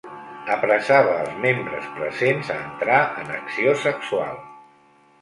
Apressava els membres presents a entrar en acció sexual.